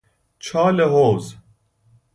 چالحوض